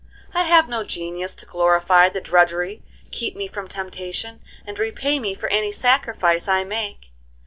"I have no genius to glorify the drudgery, keep me from temptation, and repay me for any sacrifice I make.